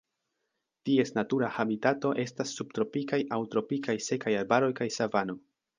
Ties natura habitato estas subtropikaj aŭ tropikaj sekaj arbaroj kaj savano.